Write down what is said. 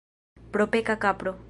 Propeka kapro.